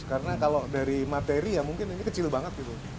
karena kalau dari materi ya mungkin ini kecil banget gitu